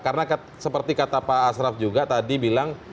karena seperti kata pak ashraf juga tadi bilang